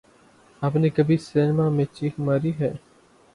آپ نے کبھی سنیما میں چیخ ماری ہے